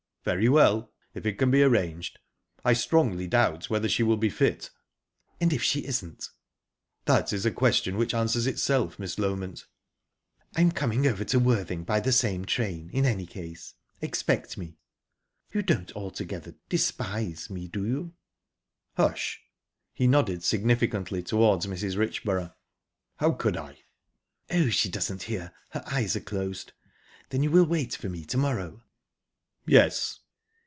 "Very well if it can be arranged. I strongly doubt whether she will be fit." "And if she isn't?" "That is a question which answers itself, Miss Loment." "I'm coming over to Worthing by the same train, in any case. Expect me...You don't altogether despise me, do you?" "Hush!"...He nodded significantly towards Mrs. Richborough. "How could I?" "Oh, she doesn't hear. Her eyes are closed. Then you will wait for me to morrow?" "Yes."